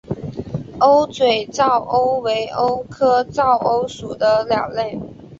鸥嘴噪鸥为鸥科噪鸥属的鸟类。